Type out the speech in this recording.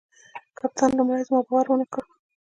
کپتان لومړي زما باور ونه کړ.